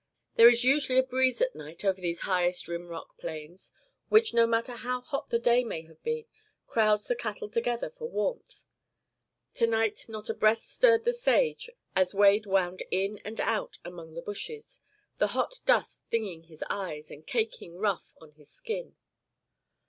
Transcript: There is usually a breeze at night over these highest rim rock plains which, no matter how hot the day may have been, crowds the cattle together for warmth. To night not a breath stirred the sage as Wade wound in and out among the bushes, the hot dust stinging his eyes and caking rough on his skin.